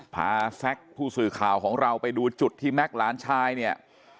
แซคผู้สื่อข่าวของเราไปดูจุดที่แม็กซ์หลานชายเนี่ย